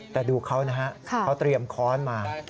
แต่ดูเขานะฮะเขาเตรียมค้อนมา